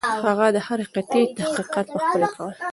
هغه د هرې قطعې تحقیقات پخپله کول.